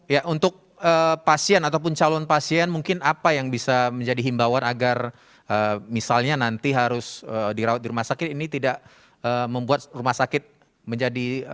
ya untuk pasien ataupun calon pasien mungkin apa yang bisa menjadi himbawan agar misalnya nanti harus dirawat di rumah sakit ini tidak membuat rumah sakit menjadi